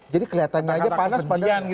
jadi kelihatannya aja panas pada